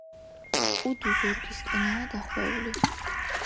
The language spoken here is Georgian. კუდი ზურგისკენაა დახვეული.